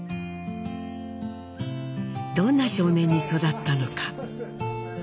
どんな少年に育ったのか。